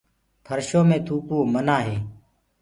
ڦرشو مي ٿوڪوو منآ هي۔